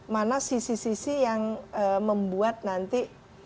mana sisi sisi yang membuat nanti